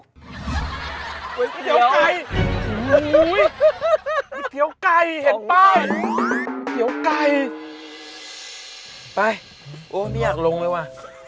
ก๋วยเตี๋ยวไก่ก๋วยเตี๋ยวไก่เห็นป้ายเขียวไก่ไปโอ้ไม่อยากลงเลยว่ะ